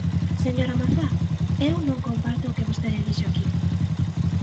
Señora Mazá, eu non comparto o que vostede dixo aquí.